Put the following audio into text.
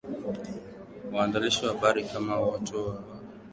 waandishi wa habari Kama watu wote watu